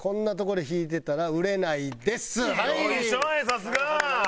さすが！